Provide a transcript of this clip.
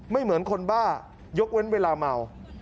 เหมือนคนบ้ายกเว้นเวลาเมา